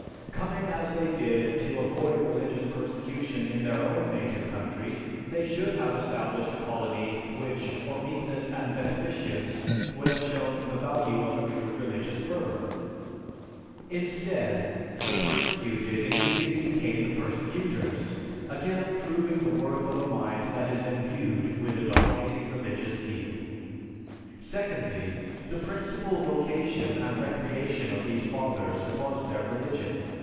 Coming as they did, to avoid religious persecution in their own native country, they should have established a colony which for meekness and beneficence would have shown the value of a true religious fervor. Instead, the persecuted immediately became the persecutors again proving the worth of a mind that is imbued with a dominating religious zeal. Secondly, the principal vocation and recreation of these Fathers was their religion.